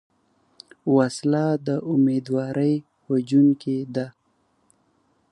وسله د امیدواري وژونکې ده